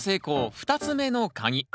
２つ目のカギ。